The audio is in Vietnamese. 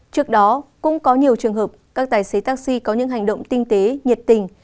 trước đó cũng có nhiều trường hợp các tài xế taxi có những hành động tinh tế nhiệt tình